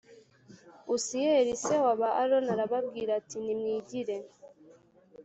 Uziyeli se wabo wa aroni arababwira ati nimwigire